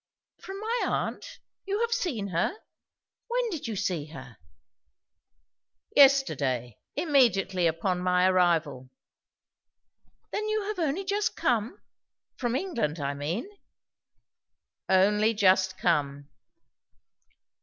"From my aunt! You have seen her! When did you see her?" "Yesterday; immediately upon my arrival." "Then you have only just come? From England, I mean." "Only just come."